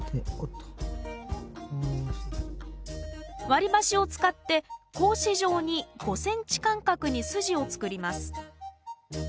割り箸を使って格子状に５ｃｍ間隔に筋を作ります